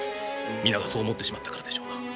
皆がそう思ってしまったからでしょうな。